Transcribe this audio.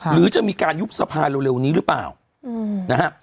หรือจะมีการยุบสภาเร็วนี้หรือเปล่านะฮะ